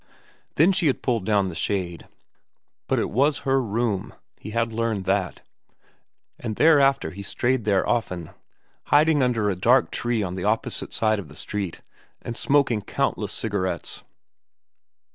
Then she pulled down the shade. But it was her room—he had learned that; and thereafter he strayed there often, hiding under a dark tree on the opposite side of the street and smoking countless cigarettes.